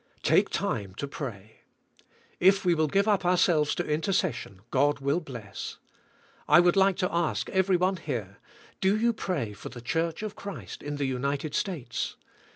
Take time to pray. If we will give up ourselves to intercession God will bless. I would like to ask everyone here, Do you pray for the church of Christ in the United States?